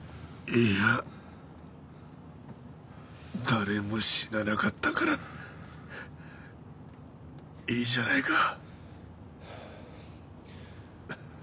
誰も死ななかったからいいじゃないか。